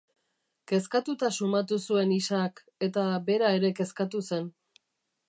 Kezkatuta sumatu zuen Isaak, eta bera ere kezkatu zen.